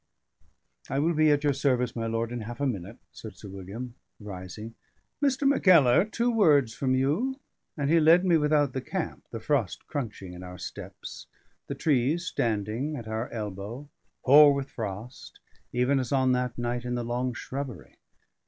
"I will be at your service, my lord, in half a minute," said Sir William, rising, "Mr. Mackellar, two words from you"; and he led me without the camp, the frost crunching in our steps, the trees standing at our elbow, hoar with frost, even as on that night in the long shrubbery.